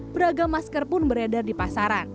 beragam masker pun beredar di pasaran